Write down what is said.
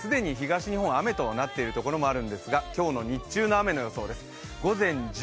既に東日本は雨となっているところもあるんですが、今日の日中の雨の予想です。